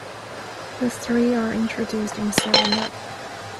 The three are introduced in Seven Up!